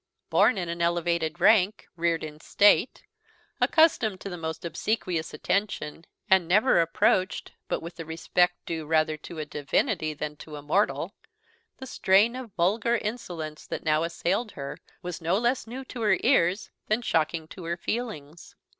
Born in an elevated rank, reared in state, accustomed to the most obsequious attention, and never approached but with the respect due rather to a divinity than to a mortal, the strain of vulgar insolence that now assailed her was no less new to her ears than shocking to her feelings.